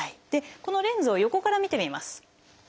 このレンズを横から見てみます。